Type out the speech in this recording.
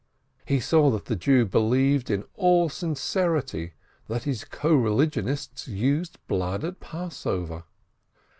He saw that the Jew believed in all sincerity that his coreligionists used blood at Passover.